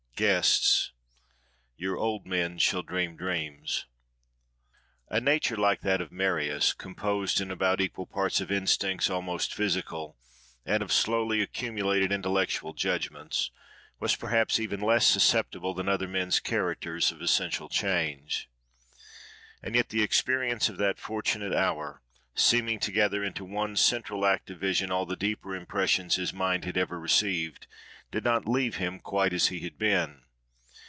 GUESTS "Your old men shall dream dreams."+ A nature like that of Marius, composed, in about equal parts, of instincts almost physical, and of slowly accumulated intellectual judgments, was perhaps even less susceptible than other men's characters of essential change. And yet the experience of that fortunate hour, seeming to gather into one central act of vision all the deeper impressions his mind had ever received, did not leave him quite as he had been.